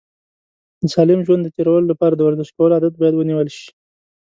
د سالم ژوند د تېرولو لپاره د ورزش کولو عادت باید ونیول شي.